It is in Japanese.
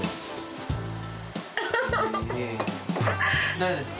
誰ですか？